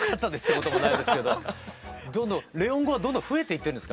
どんどんレオン語はどんどん増えていってるんですか？